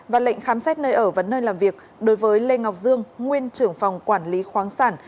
và lệnh khám xét nơi ở và nơi làm việc đối với lê ngọc dương nguyên trưởng phòng quản lý khoáng sản